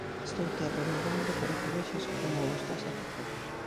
Estoute arremedando para que vexas como o estás a facer